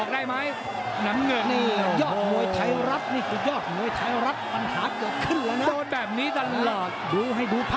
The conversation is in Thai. ทำท่าอะไรพลิกแล้วล่ะแหลมนี้แหละ